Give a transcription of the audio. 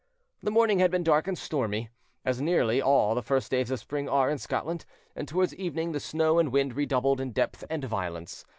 The morning had been dark and stormy, as nearly all the first days of spring are in Scotland, and towards evening the snow and wind redoubled in depth and violence.